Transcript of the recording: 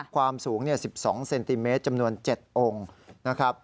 ความสูง๑๒เซนติเมตรจำนวน๗องค์นะครับ